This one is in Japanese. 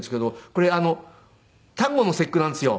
これ端午の節句なんですよ。